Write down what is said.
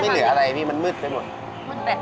เหลืออะไรพี่มันมืดไปหมด